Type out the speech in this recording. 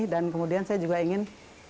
dan kemudian saya juga ingin